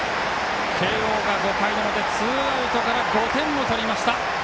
慶応が５回の表、ツーアウトから５点を取りました。